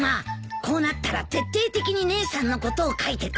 こうなったら徹底的に姉さんのことを書いてくれ。